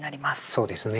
そうですね。